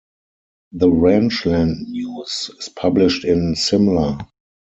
The Ranchland News is published in Simla.